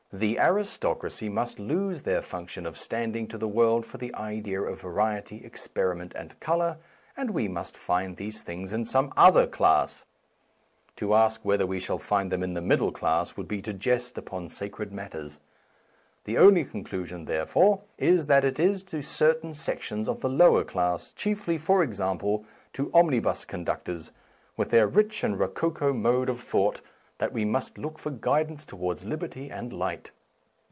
The aristocracy must lose their function of standing to the world for the idea of variety, experiment, and colour, and we must find these things in some other class. To ask whether we shall find them in the middle class would be to jest upon sacred matters. The only conclusion, therefore, is that it is to certain sections of the lower class, chiefly, for example, to omnibus con A Defence of Slang ductors, with their rich and rococo mode of thought, that we must look for guidance towards liberty and light.